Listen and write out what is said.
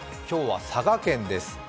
今日は佐賀県です。